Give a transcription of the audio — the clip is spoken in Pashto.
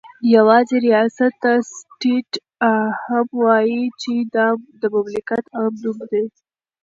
يوازي رياست ته سټيټ هم وايي چې دا دمملكت عام نوم دى